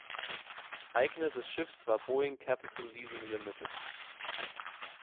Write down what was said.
Eigner des Schiffes war Boeing Capital Leasing Limited.